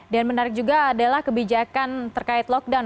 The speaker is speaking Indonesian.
dan menarik juga adalah kebijakan terkait lockdown